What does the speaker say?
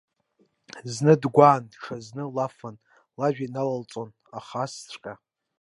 Зны дгәааны, ҽазны лафны, лажәа иналалҵалон, аха асҵәҟьа.